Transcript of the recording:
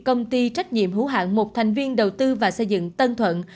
công ty trách nhiệm hữu hạng một thành viên đầu tư và xây dựng tân thuận